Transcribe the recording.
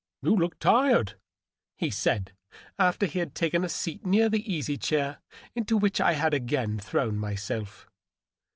" You look tired, he said, after he had taken a seat near the easy chair into which I had again thrown myself.